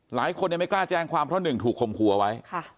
หลายคนยังไม่กล้าแจ้งความเพราะหนึ่งถูกคมขัวไว้